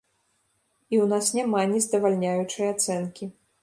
І ў нас няма нездавальняючай ацэнкі.